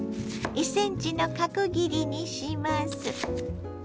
１ｃｍの角切りにします。